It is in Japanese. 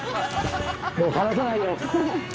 もう離さないよ。